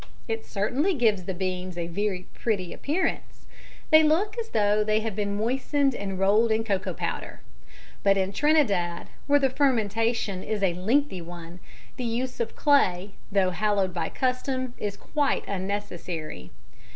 It certainly gives the beans a very pretty appearance; they look as though they have been moistened and rolled in cocoa powder. But in Trinidad, where the fermentation is a lengthy one, the use of clay, though hallowed by custom, is quite unnecessary.